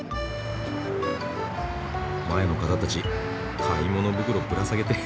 前の方たち買い物袋ぶら下げて。